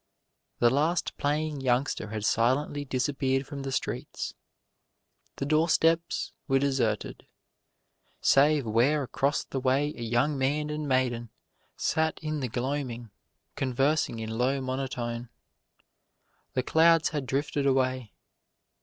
The last playing youngster had silently disappeared from the streets. The doorsteps were deserted save where across the way a young man and maiden sat in the gloaming, conversing in low monotone. The clouds had drifted away.